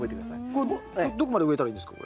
これどこまで植えたらいいんですか？